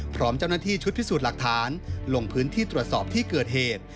พร้อมเจ้าหน้าที่ชุดพิสูจน์หลักฐานลงพื้นที่ตรวจสอบที่เกิดเหตุ